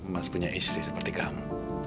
mas punya istri seperti kamu